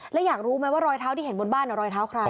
แล้วอยากรู้ไหมว่ารอยเท้าที่เห็นบนบ้านรอยเท้าใคร